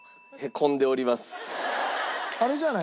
あれじゃない？